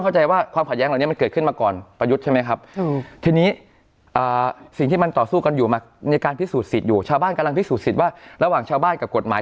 ชาวบ้านพิสูจน์สิทธิ์ว่าระหว่างชาวบ้านกับกฎหมาย